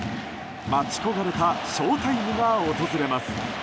待ち焦がれたショウタイムが訪れます。